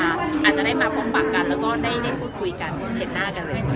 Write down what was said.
อาจจะได้มาป้องบังกันแล้วได้พูดคุยกันเห็นหน้ากันเลย